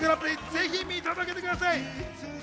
ぜひ見届けてください。